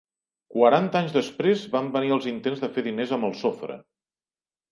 Quaranta anys després van venir els intents de fer diners amb el sofre.